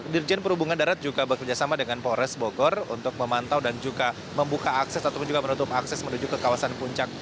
dirjen perhubungan darat juga bekerjasama dengan polres bogor untuk memantau dan juga membuka akses ataupun juga menutup akses menuju ke kawasan puncak